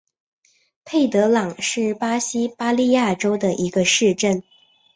佩德朗是巴西巴伊亚州的一个市镇。